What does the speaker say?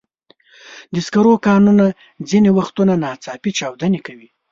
د سکرو کانونه ځینې وختونه ناڅاپي چاودنې کوي.